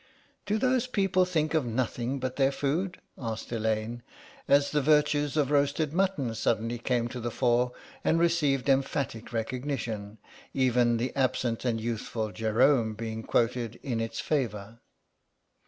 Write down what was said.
"Do those people think of nothing but their food?" asked Elaine, as the virtues of roasted mutton suddenly came to the fore and received emphatic recognition, even the absent and youthful Jerome being quoted in its favour.